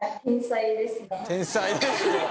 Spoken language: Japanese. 天才ですね。